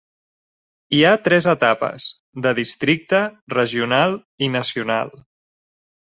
Hi ha tres etapes: de districte, regional i nacional.